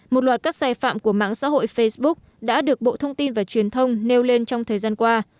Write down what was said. một loạt các sai phạm của mạng xã hội facebook đã được bộ thông tin và truyền thông nêu lên trong thời gian qua